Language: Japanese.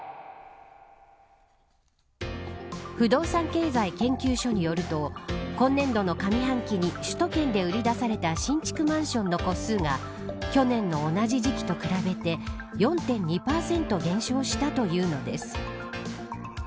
不動産経済研究所によると今年度の上半期に首都圏で売り出された新築マンションの戸数が去年の同じ時期と比べて４．２％減少したというのです。